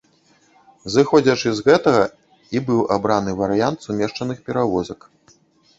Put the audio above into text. Зыходзячы з гэтага і быў абраны варыянт сумешчаных перавозак.